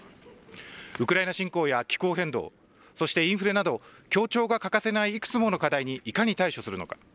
ウクライナ侵攻や気候変動、そしてインフレなど、協調が欠かせないいくつもの課題にいかに対処するのか。